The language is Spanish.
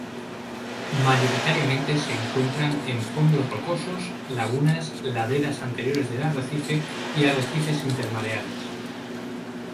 Mayoritariamente se encuentran en fondos rocosos, lagunas, laderas anteriores del arrecife y arrecifes intermareales.